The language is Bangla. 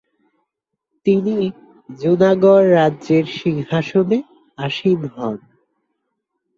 তিনি জুনাগড় রাজ্যের সিংহাসনে আসীন হন।